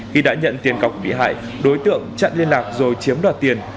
khi đã nhận tiền cọc bị hại đối tượng chặn liên lạc rồi chiếm đoạt tiền